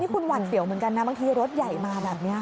คุณหวัดเสียวเหมือนกันนะบางทีรถใหญ่มาแบบนี้